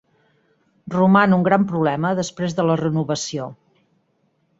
Roman un gran problema després de la renovació.